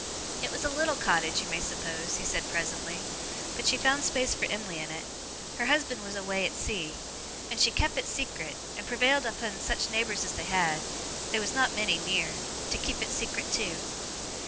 'It was a little cottage, you may suppose,' he said, presently, 'but she found space for Em'ly in it, her husband was away at sea, and she kep it secret, and prevailed upon such neighbours as she had (they was not many near) to keep it secret too.